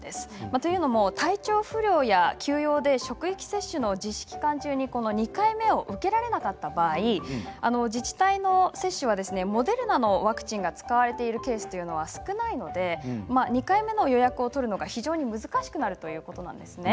というのも体調不良や急用で職域接種の実施期間中に２回目を受けられなかった場合自治体の接種はモデルナのワクチンが使われているケースというのは少ないので２回目の予約を取るのが非常に難しくなるということなんです。